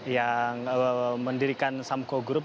yang mendirikan samco group